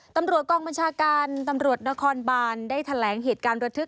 ตำรวจกองบัญชาการตำรวจนครบานได้แถลงเหตุการณ์ระทึก